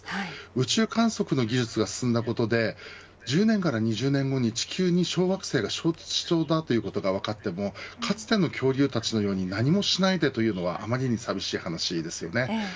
宇宙観測の技術が進んだことで１０年から２０年後に地球に小惑星が衝突しそうだということが分かってもかつての恐竜たちのように何もしないでというのはあまりに寂しい話ですよね。